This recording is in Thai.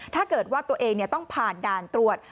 ถ้าเกิดว่าตัวเองต้องผ่านด่านตรวจ